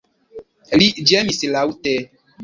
Li ĝemis laŭte.